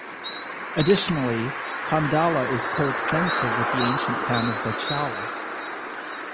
Additionally, Qandala is coextensive with the ancient town of Botiala.